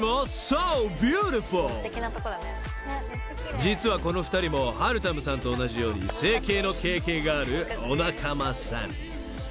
［実はこの２人もはるたむさんと同じように整形の経験があるお仲間さん］